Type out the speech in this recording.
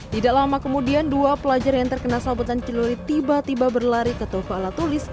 tidak lama kemudian dua pelajar yang terkena sabetan celurit tiba tiba berlari ke toko alat tulis